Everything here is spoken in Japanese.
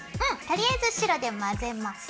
とりあえず白で混ぜます。